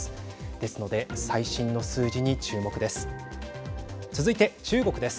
ですので最新の数字に注目です。